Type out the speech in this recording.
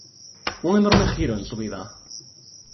Un enorme giro en su vida.